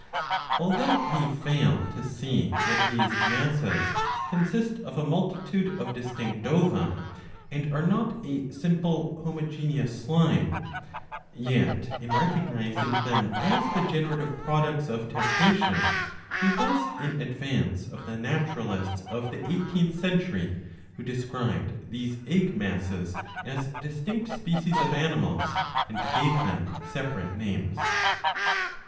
Although he failed to see that these masses consist of a multitude of distinct ova, and are not a simple homogeneous slime, yet in recognising them as the gene rative products of Testacea, he was in advance of the naturalists of the eighteenth century, who described these egg masses as distinct species of animals, and gave them separate names.